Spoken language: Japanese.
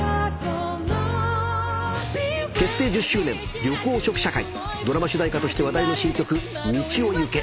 結成１０周年緑黄色社会ドラマ主題歌として話題の新曲『ミチヲユケ』